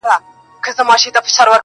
ما یې په خوبونو کي سیندونه وچ لیدلي دي،